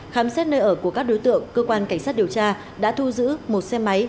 khám xét nơi ở của các đối tượng cơ quan cảnh sát điều tra đã thu giữ một xe máy